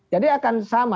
jadi akan sama